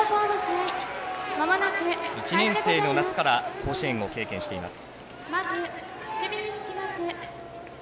１年生の夏から甲子園を経験しています。